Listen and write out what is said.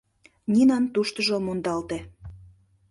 Нинан «туштыжо» мондалте.